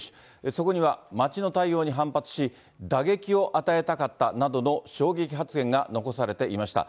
そこには町の対応に反発し、打撃を与えたかったなどの衝撃発言が残されていました。